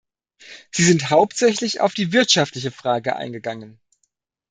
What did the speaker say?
Sie sind hauptsächlich auf die wirtschaftliche Frage eingegangen.